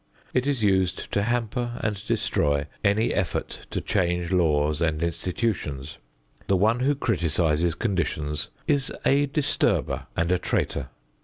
It is used to hamper and destroy any effort to change laws and institutions. The one who criticises conditions is a disturber and a traitor.